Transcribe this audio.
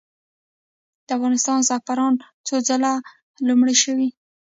د افغانستان زعفران څو ځله لومړي شوي؟